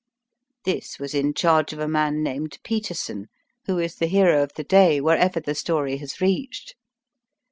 This was in charge of a man named Peterson, who is the hero of the day wherever the story has reached.